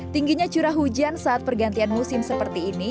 tingginya curah hujan saat pergantian musim seperti ini